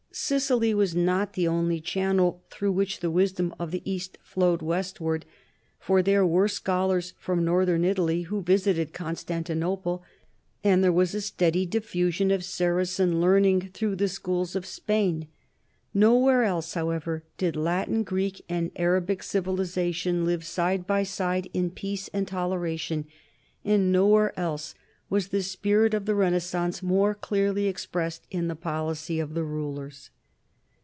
Sicily was not the only channel through which the wisdom of the East flowed west ward, for there were scholars from northern Italy who visited Constantinople and there was a steady diffusion of Saracen learning through the schools of Spain. No where else, however, did Latin, Greek, and Arabic civ ilization live side by side in peace and toleration, and nowhere else was the spirit of the renaissance more clearly expressed in the policy of the rulers.